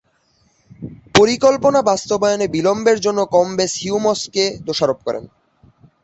পরিকল্পনা বাস্তবায়নে বিলম্বের জন্য কম্বেস হিউমসকে দোষারোপ করেন।